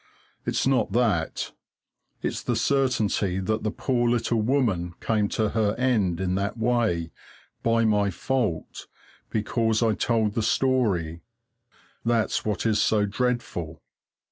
It's not that. It's the certainty that the poor little woman came to her end in that way, by my fault, because I told the story. That's what is so dreadful.